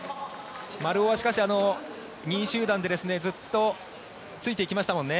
丸尾はしかし、２位集団でずっとついていきましたもんね。